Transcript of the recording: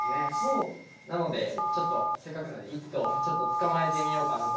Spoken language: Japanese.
なのでちょっとせっかくなので１頭捕まえてみようかなと。